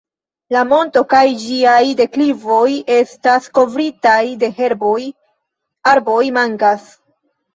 La monto kaj ĝiaj deklivoj estas kovritaj de herboj, arboj mankas.